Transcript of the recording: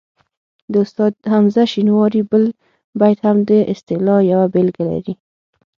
د استاد حمزه شینواري بل بیت هم د اصطلاح یوه بېلګه لري